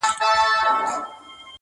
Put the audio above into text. او څلورم ډول ښکلا چې باید